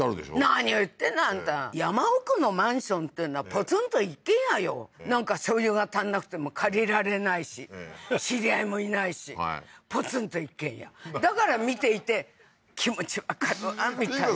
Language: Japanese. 何を言ってんのあんた山奥のマンションっていうのはポツンと一軒家よなんかしょうゆが足んなくても借りられないし知り合いもいないしポツンと一軒家だから見ていて気持ちわかるわみたいなピン子さん